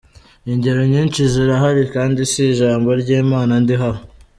Ingero nyinshi zirahari kandi si ijambo ry’Imana ndiho aha.